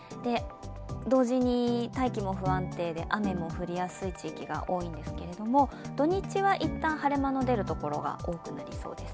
同時に大気も不安定で雨も降りやすい地域が多いんですけど土日は一旦晴れ間の出るところが多くなりそうです。